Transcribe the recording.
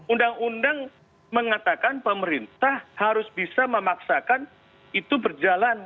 undang undang mengatakan pemerintah harus bisa memaksakan itu berjalan